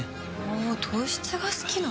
あ糖質が好きなの？